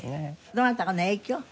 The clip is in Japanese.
どなたかの影響？